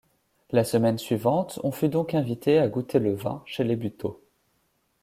La semaine suivante, on fut donc invité à goûter le vin, chez les Buteau.